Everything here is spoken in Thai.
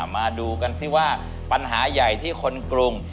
มาดูกันสิว่าปัญหาใหญ่ที่คนกรุง